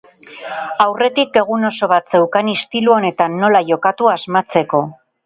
Aurretik egun oso bat zeukan istilu honetan nola jokatu asmatzeko.